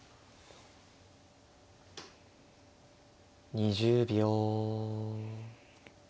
２０秒。